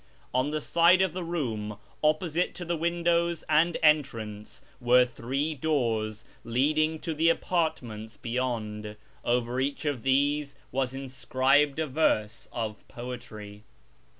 On the side of the room opposite to the windows and entrance were three doors leading to apartments beyond. Over each of these was inscribed a verse of poetry.